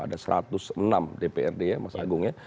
ada satu ratus enam dprd ya mas agung ya